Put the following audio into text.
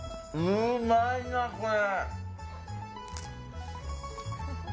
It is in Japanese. うまいな、これ。